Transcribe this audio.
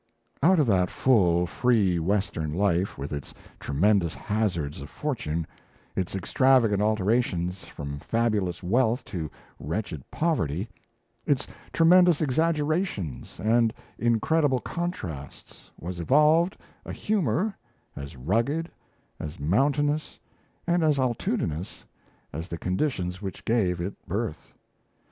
Out of that full, free Western life, with its tremendous hazards of fortune, its extravagant alternations from fabulous wealth to wretched poverty, its tremendous exaggerations and incredible contrasts, was evolved a humour as rugged, as mountainous, and as altitudinous as the conditions which gave it birth.